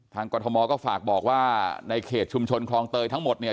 กรทมก็ฝากบอกว่าในเขตชุมชนคลองเตยทั้งหมดเนี่ย